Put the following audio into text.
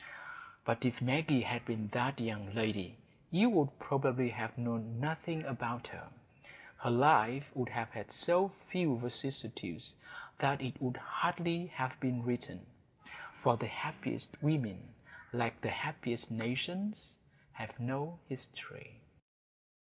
But if Maggie had been that young lady, you would probably have known nothing about her: her life would have had so few vicissitudes that it could hardly have been written; for the happiest women, like the happiest nations, have no history.